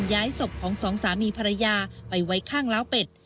ย้ายศพของสองสามีภรรยาไปไว้ข้างล้าวเป็ด